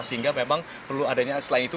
sehingga memang perlu adanya selain itu